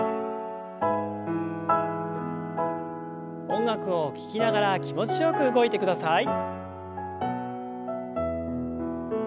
音楽を聞きながら気持ちよく動いてください。